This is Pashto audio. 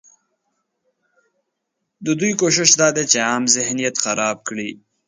ددوی کوشش دا دی چې عام ذهنیت خراب کړي